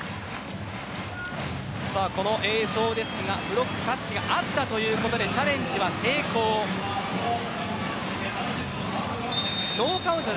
この映像ですがブロックタッチがあったということでチャレンジ成功です。